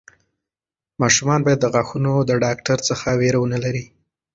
ماشومان باید د غاښونو د ډاکټر څخه وېره ونه لري.